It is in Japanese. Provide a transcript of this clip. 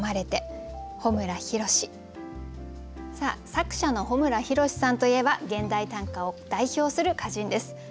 作者の穂村弘さんといえば現代短歌を代表する歌人です。